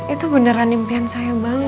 itu beneran impian saya banget